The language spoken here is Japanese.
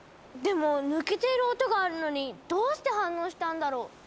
でも抜けている音があるのにどうして反応したんだろう？